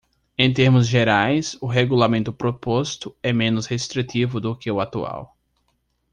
Em termos gerais, o regulamento proposto é menos restritivo do que o atual.